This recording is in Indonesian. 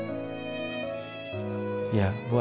mencari keuntungan untuk mencapai keuntungan yang mereka inginkan